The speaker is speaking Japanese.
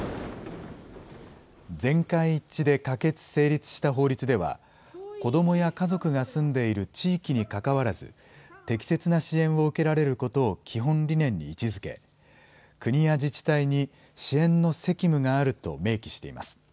全会一致で可決・成立した法律では、子どもや家族が住んでいる地域にかかわらず、適切な支援を受けられることを基本理念に位置づけ、国や自治体に支援の責務があると明記しています。